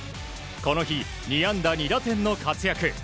この日、２安打２打点の活躍。